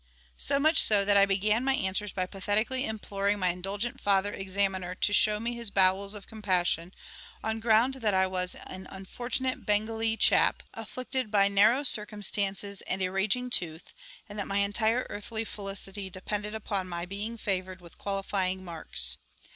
So much so that I began my answers by pathetically imploring my indulgent father examiner to show me his bowels of compassion, on ground that I was an unfortunate Bengalee chap, afflicted by narrow circumstances and a raging tooth, and that my entire earthly felicity depended upon my being favoured with qualifying marks.